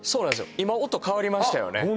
今音変わりましたよねあっ